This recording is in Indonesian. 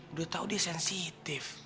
udah tau dia sensitif